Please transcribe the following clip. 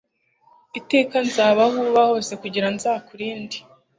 iteka nzaba aho uzaba hose kugira ngo nzakurinde